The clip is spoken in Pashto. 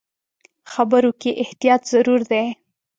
خبرو کې احتیاط ضروري دی.